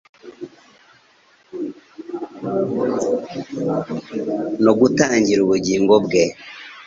no gutangira ubugingo bwe